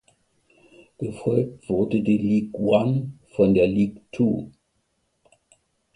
Gefolgt wurde die "League One" von der League Two.